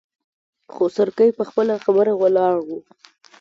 خو سورکی په خپله خبره ولاړ و.